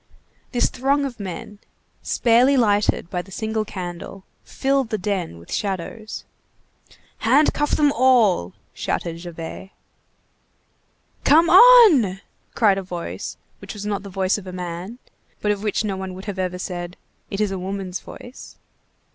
This throng of men, sparely lighted by the single candle, filled the den with shadows. "Handcuff them all!" shouted Javert. "Come on!" cried a voice which was not the voice of a man, but of which no one would ever have said: "It is a woman's voice."